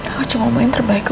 aku cuma mau yang terbaik